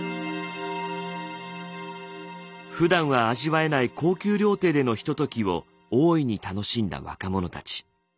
ふだんは味わえない高級料亭でのひとときを大いに楽しんだ若者たち。